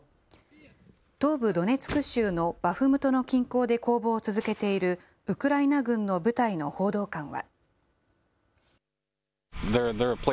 東部ドネツク州のバフムトの近郊で攻防を続けているウクライナ軍の部隊の報道官は。